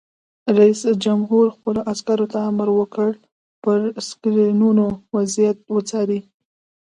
رئیس جمهور خپلو عسکرو ته امر وکړ؛ پر سکرینونو وضعیت وڅارئ!